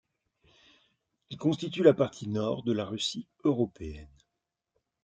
Il constitue la partie nord de la Russie européenne.